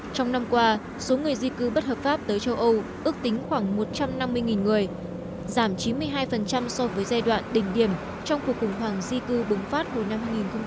trong năm qua số người di cư bất hợp pháp tới châu âu ước tính khoảng một trăm năm mươi người giảm chín mươi hai so với giai đoạn đỉnh điểm trong cuộc khủng hoảng di cư bùng phát hồi năm hai nghìn một mươi